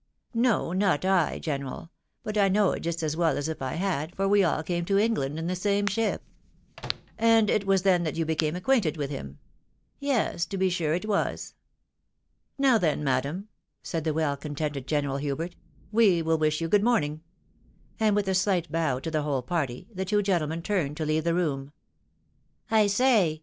No, not I, general — but I know it just as well as if I had, for we all came to England in the same ship." " And it was then that you became acquainted with him?" " Yes, to be sure it was." "Now, then, madam," said the well contented General Hubert, " we will wish you good morning," and with a slight bow to the whole party, the two gentlemen turned to leave the room. " I say